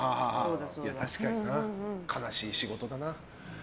確かにな、悲しい仕事だな。